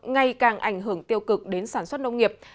ngày càng ảnh hưởng tiêu cực đến sản xuất nông nghiệp